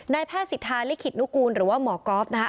นายแพทย์ศิษฐาลิขิทด์นกูลหรือว่าหมอกอล์ฟนะคะ